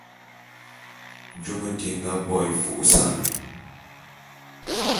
Jôm éte é nga bo é fô'ôsan.